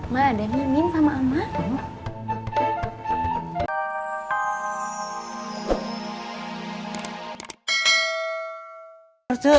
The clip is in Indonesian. mak ada mimin sama emak